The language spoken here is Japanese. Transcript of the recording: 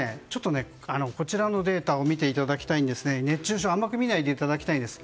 こちらのデータを見ていただきたいんですが熱中症甘く見ないでいただきたいんです。